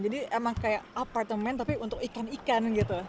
jadi memang seperti apartemen tapi untuk ikan ikan